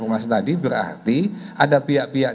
humas tadi berarti ada pihak pihak